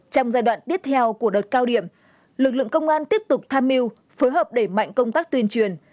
trong giai đoạn tiếp theo của đợt cao điểm lực lượng công an tiếp tục tham mưu phối hợp đẩy mạnh công tác tuyên truyền